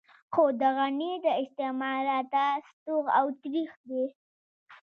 خو د غني د استعمال راته ستوغ او ترېخ دی.